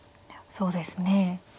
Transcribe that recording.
そうですね。